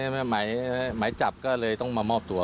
อ๋อก็โดนไหมจับก็เลยต้องมามอบตัว